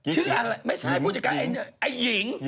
ชื่ออะไรไม่ใช่พูดจากการไอ้เนยไอ้หญิง